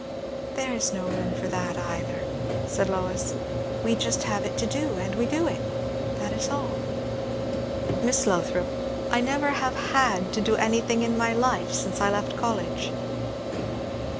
"There is no room for that either," said Lois. "We just have it to do, and we do it; that is all." "Miss Lothrop, I never have had to do anything in my life, since I left college."